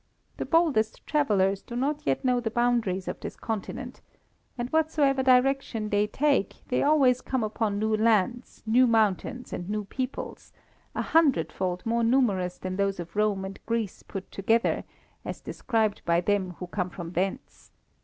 The boldest travellers do not yet know the boundaries of this continent, and whatsoever direction they take they always come upon new lands, new mountains, and new peoples, a hundred fold more numerous than those of Rome and Greece put together, as described by them who come from thence.